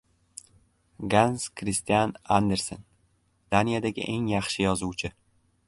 Gans-Kristian Andersen – Daniyadagi eng yaxshi yozuvchi.